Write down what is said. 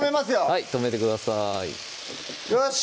はい止めてくださいよし！